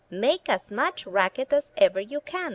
Make as much racket as ever you can.